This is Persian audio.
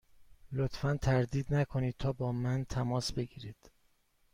لطفا تردید نکنید تا با من تماس بگیرید.